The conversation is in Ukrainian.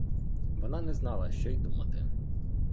Вона не знала, що й думати.